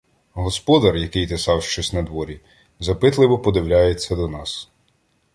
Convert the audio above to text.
Господар, який тесав щось надворі, запитливо придивляється до нас.